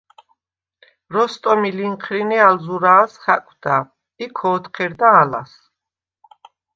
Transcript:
როსტომი ლინჴრინე ალ ზურა̄ლს ხა̈კვდა ი ქო̄თჴერდა ალას.